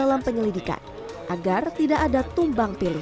agar tidak ada tumbang pilih